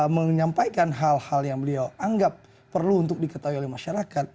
menyampaikan hal hal yang beliau anggap perlu untuk diketahui oleh masyarakat